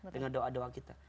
dengan doa doa kita